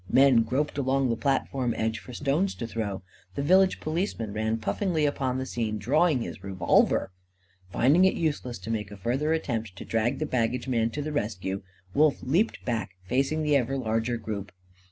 Men groped along the platform edge for stones to throw. The village policeman ran puffingly upon the scene, drawing his revolver. Finding it useless to make a further attempt to drag the baggageman to the rescue, Wolf leaped back, facing the ever larger group.